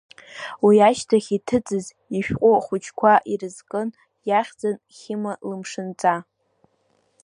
Уи ашьҭахь иҭыҵыз ишәҟәы ахәыҷқәа ирызкын, иахьӡын Хьыма лымшынҵа.